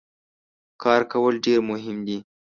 کار کول ډیر مهم دي.